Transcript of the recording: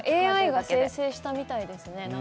ＡＩが生成したみたいですね。